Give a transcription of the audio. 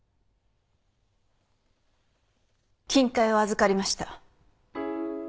金塊を預かりました。